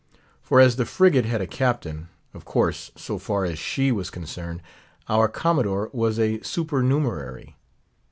For as the frigate had a captain; of course, so far as she was concerned, our Commodore was a supernumerary.